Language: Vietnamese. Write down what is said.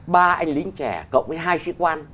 ba anh lính trẻ cộng với hai sĩ quan